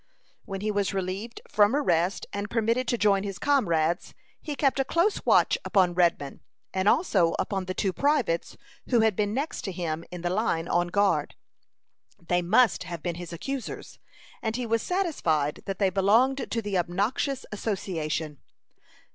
When he was relieved from arrest, and permitted to join his comrades, he kept a close watch upon Redman, and also upon the two privates who had been next to him in the line on guard. They must have been his accusers, and he was satisfied that they belonged to the obnoxious association.